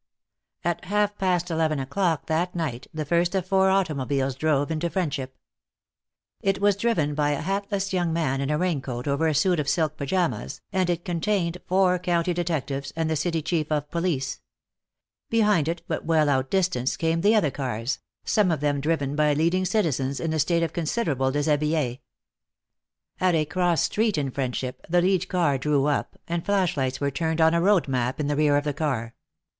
At half past eleven o'clock that night the first of four automobiles drove into Friendship. It was driven by a hatless young man in a raincoat over a suit of silk pajamas, and it contained four County detectives and the city Chief of Police. Behind it, but well outdistanced, came the other cars, some of them driven by leading citizens in a state of considerable deshabille. At a cross street in Friendship the lead car drew up, and flashlights were turned on a road map in the rear of the car.